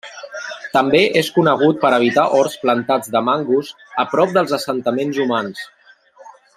També és conegut per habitar horts plantats de mangos a prop dels assentaments humans.